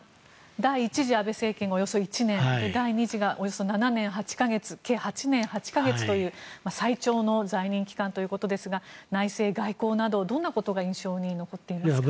第１次安倍政権がおよそ１年第２次がおよそ７年８か月計８年８か月という最長の在任期間ということですが内政、外交などどんなことが印象に残っていますか。